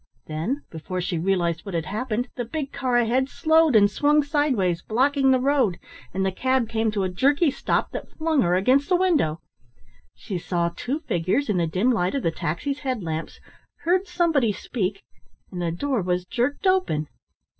Then, before she realised what had happened, the big car ahead slowed and swung sideways, blocking the road, and the cab came to a jerky stop that flung her against the window. She saw two figures in the dim light of the taxi's head lamps, heard somebody speak, and the door was jerked open.